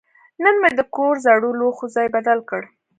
نن مې د کور زړو لوښو ځای بدل کړ.